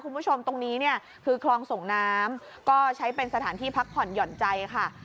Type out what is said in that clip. คุณผู้ชมตรงนี้เนี่ยคือคลองส่งน้ำก็ใช้เป็นสถานที่พักผ่อนหย่อนใจค่ะ